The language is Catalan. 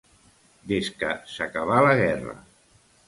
Des que s'acabà la guerra.